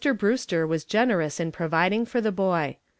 Brewster was generous in providing for the boy.